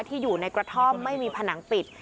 ที่อยู่ในกระท่อมไม่มีผนังปิด